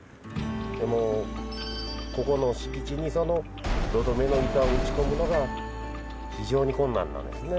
でもここの敷地にその土留めの板を打ち込むのが非常に困難なんですね。